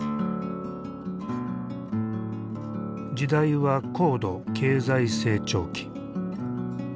時代は高度経済成長期。